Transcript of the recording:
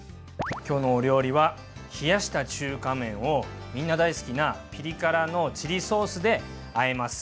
今日のお料理は冷やした中華麺をみんな大好きなピリ辛のチリソースであえます。